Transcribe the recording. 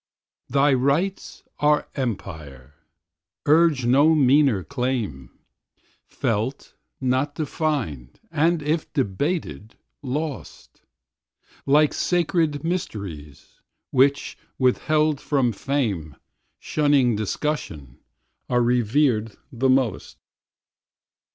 Thy rights are empire: urge no meaner claim, Felt, not defined, and if debated, lost; Like sacred mysteries, which withheld from fame, Shunning discussion, are revered the most.